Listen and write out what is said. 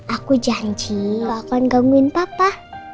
aku janji aku akan gangguin papa